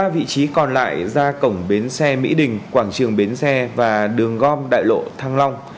ba vị trí còn lại ra cổng bến xe mỹ đình quảng trường bến xe và đường gom đại lộ thăng long